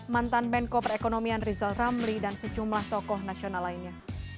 mantan menko perekonomian rizal ramli dan sejumlah tokoh nasional lainnya